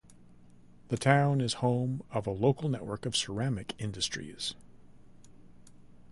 The town is home of a local network of ceramic industries.